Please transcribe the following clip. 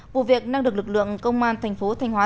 vụ việc đang được lực lượng công an tp thanh hóa